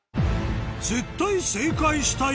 絶対正解したい